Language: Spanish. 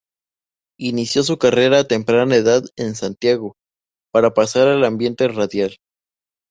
Inició su carrera a temprana edad en Santiago, para pasar al ambiente radial.